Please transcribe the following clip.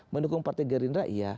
mendukung partai gerindra iya